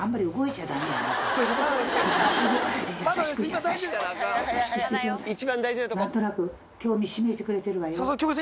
何となく興味示してくれてるわよ